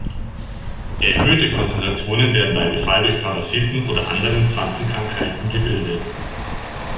Erhöhte Konzentrationen werden bei Befall durch Parasiten oder anderen Pflanzenkrankheiten gebildet.